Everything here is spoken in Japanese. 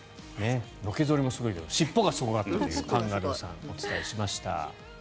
のけ反りもすごいけど尻尾がすごいというカンガルーさんをお伝えしました。